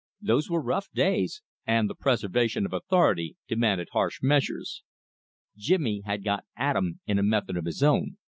Those were rough days, and the preservation of authority demanded harsh measures. Jimmy had got at 'em in a method of his own.